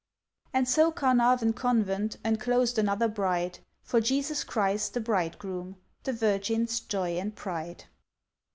And so Carnarvon Convent Enclosed another bride, For Jesus Christ, the Bridegroom, The Virgins Joy and Pride.